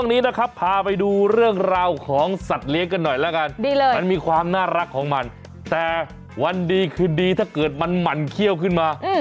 มันมีความน่ารักของมันแต่วันดีคือดีถ้าเกิดมันหมั่นเขี้ยวขึ้นมา